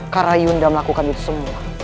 karena yunda melakukan itu semua